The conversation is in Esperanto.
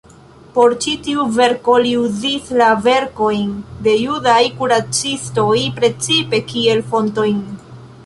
Por ĉi tiu verko li uzis la verkojn de judaj kuracistoj precipe kiel fontojn.